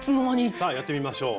さあやってみましょう。